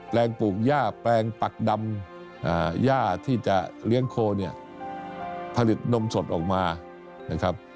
ลูกย่าแปลงปักดำย่าที่จะเลี้ยงโคเนี่ยผลิตนมสดออกมานะครับ